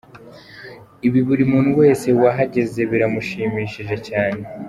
Ibi buri muntu wese wahageze byaramushimishije cyane.